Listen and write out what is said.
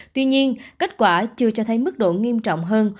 tuy nhiên kết quả chưa cho thấy mức độ nghiêm trọng hơn